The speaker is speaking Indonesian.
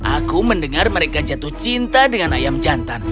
aku mendengar mereka jatuh cinta dengan ayam jantan